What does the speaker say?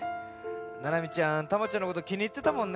ななみちゃんタマちゃんのこときにいってたもんね。